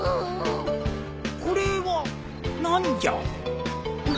これは何じゃ？